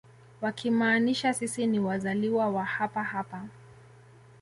Wakimaanisha sisi ni wazaliwa wa hapa hapa